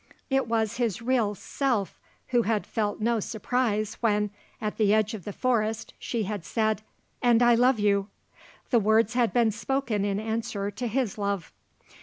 It was his real self who had felt no surprise when, at the edge of the forest, she had said: "And I love you." The words had been spoken in answer to his love.